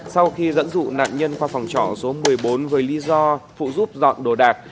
sau khi dẫn dụ nạn nhân qua phòng trọ số một mươi bốn với lý do phụ giúp dọn đồ đạc